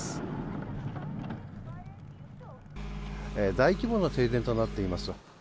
大規模な停電となっています。